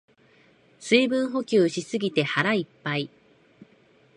水分補給しすぎて腹いっぱい